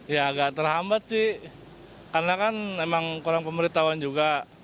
ya agak terhambat sih karena kan emang kurang pemberitahuan juga